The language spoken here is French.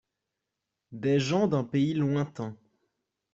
Des gens d'un pays lointain.